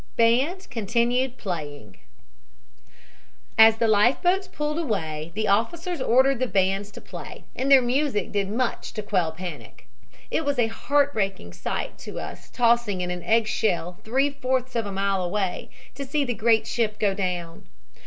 BAND CONTINUED PLAYING "As the life boats pulled away the officers ordered the bands to play, and their music did much to quell panic. It was a heart breaking sight to us tossing in an eggshell three fourths of a mile away, to see the great ship go down.